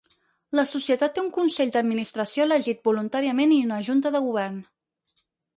La societat té un Consell d'administració elegit voluntàriament i una Junta de govern.